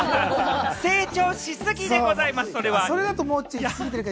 成長しすぎでございます、それは。